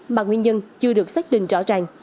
mà nguyên nhân chưa được xác định rõ ràng